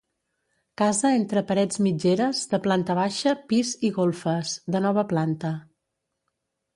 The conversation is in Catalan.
Casa entre parets mitgeres de planta baixa, pis i golfes, de nova planta.